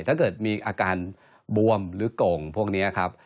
ถ้าเกิดมีอาการบวมหรือโก่งพวกนี้ครับ